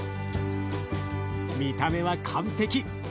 見た目は完璧。